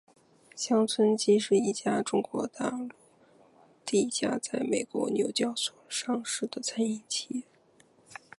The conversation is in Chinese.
乡村基是一家中国大陆第一家在美国纽交所上市的餐饮企业。